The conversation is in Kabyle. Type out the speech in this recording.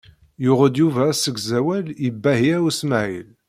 Yuɣ-d Yuba asegzawal i Baya U Smaɛil.